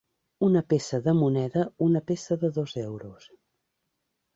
Una peça de moneda, una peça de dos euros.